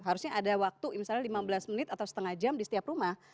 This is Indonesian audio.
harusnya ada waktu misalnya lima belas menit atau setengah jam di setiap rumah